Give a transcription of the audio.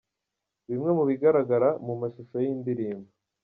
Bimwe mu bigaragara mu mashusho y'iyi ndirimbo.